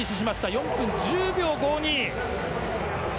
４分１０秒５２。